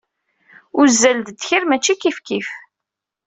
Uzzal d ddkir mačči kifkif.